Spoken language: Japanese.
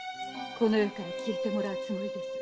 この世から消えてもらうつもりです。